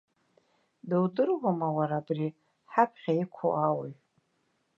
Дудыруама уара абри ҳаԥхьа иқәу ауаҩ?